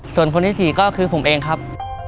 ส่วนคนที่๔ก็คือผมเองครับ